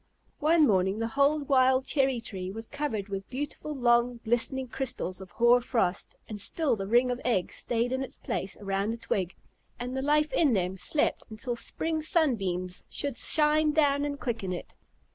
One morning the whole wild cherry tree was covered with beautiful long, glistening crystals of hoar frost; and still the ring of eggs stayed in its place around the twig, and the life in them slept until spring sunbeams should shine down and quicken it.